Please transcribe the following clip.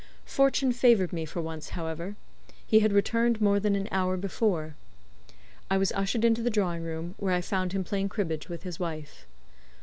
Fortune favored me for once, however; he had returned more than an hour before. I was ushered into the drawing room, where I found him playing cribbage with his wife.